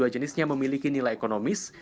lima puluh dua jenisnya memiliki nilai ekonomis